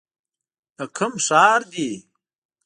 د کوم ښار دی ؟